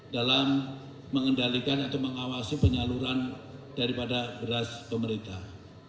dalam mengendalikan atau mengawasi penyaluran daripada beras pemerintah